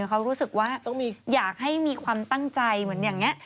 เขารู้สึกว่าอยากให้มีความตั้งใจเหมือนอย่างนี้